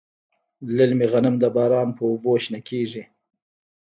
للمي غنم د باران په اوبو شنه کیږي.